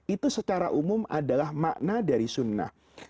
itu secara umum adalah makna dari sunnah